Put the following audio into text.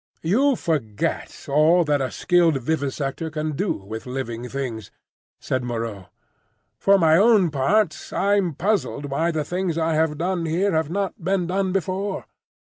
"You forget all that a skilled vivisector can do with living things," said Moreau. "For my own part, I'm puzzled why the things I have done here have not been done before.